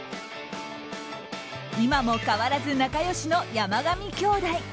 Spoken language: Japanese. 今も変わらず仲良しの山上兄弟。